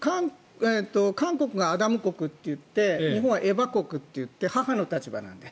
韓国はアダム国と言って日本はエバ国と言って母の立場なので。